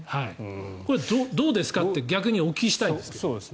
これ、どうですかって逆にお聞きしたいんですが。